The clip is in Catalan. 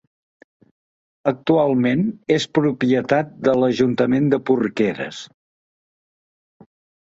Actualment és propietat de l'Ajuntament de Porqueres.